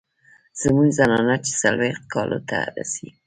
زمونږ زنانه چې څلوېښتو کالو ته رسي